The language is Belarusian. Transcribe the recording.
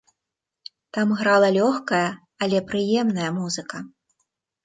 Там грала лёгкая, але прыемная музыка.